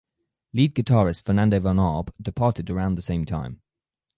Lead guitarist Fernando von Arb departed around the same time.